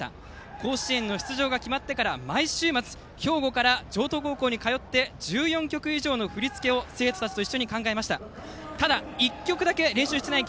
甲子園の出場が決まってから毎週末兵庫から城東高校に通って１４曲以上の振り付けを生徒たちと一緒に考えました。